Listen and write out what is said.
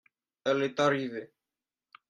Elle est arrivée.